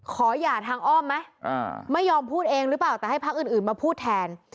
หย่าทางอ้อมไหมไม่ยอมพูดเองหรือเปล่าแต่ให้พักอื่นมาพูดแทน